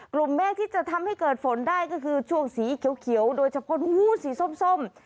เมฆที่จะทำให้เกิดฝนได้ก็คือช่วงสีเขียวโดยเฉพาะสีส้ม